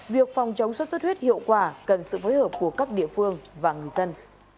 việc phòng chống sốt sốt huyết hiệu quả cần sự phối hợp của các địa phương và người dân